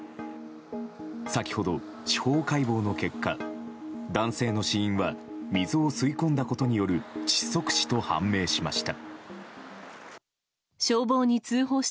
先ほど、司法解剖の結果男性の死因は水を吸い込んだことによる窒息死と判明しました。